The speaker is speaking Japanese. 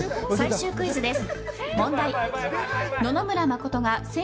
最終クイズです。